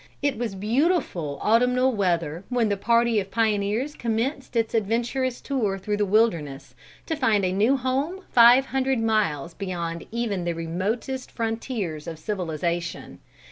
It was beautiful autumnal weather when the party of pioneers commenced its adventurous tour through the wilderness, to find a new home five hundred miles beyond even the remotest frontiers of civilization.